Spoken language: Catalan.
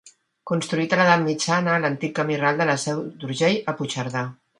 Construït a l'Edat Mitjana a l'antic camí ral de la Seu d'Urgell a Puigcerdà.